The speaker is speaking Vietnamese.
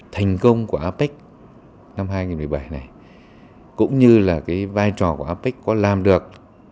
thành công của apec năm hai nghìn một mươi bảy này cũng như là cái vai trò của apec có làm được